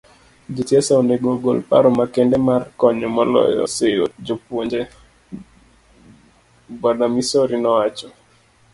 Jo siasa onego ogol paro makende mar konyo moloyo seyo jopuonje, Bw. Misori nowacho.